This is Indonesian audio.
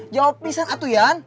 jawab pisang atu yan